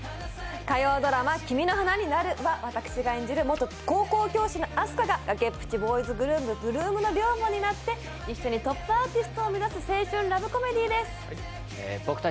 火曜ドラマ「君の花になる」は私が演じる元高校教師のあす花が、崖っぷちボーイズグループ８ＬＯＯＭの寮母になって、トップアーティストを目指す青春ラブコメディです。